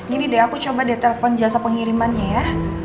gini deh aku coba deh telfon jasa pengirimannya ya